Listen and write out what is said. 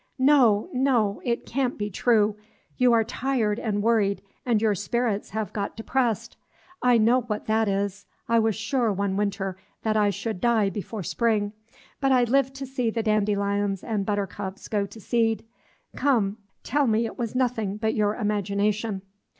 No, no, it can't be true, you are tired and worried, and your spirits have got depressed. I know what that is; I was sure, one winter, that I should die before spring; but I lived to see the dandelions and buttercups go to seed. Come, tell me it was nothing but your imagination."